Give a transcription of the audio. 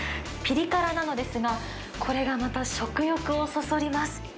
ぴり辛なのですが、これがまた食欲をそそります。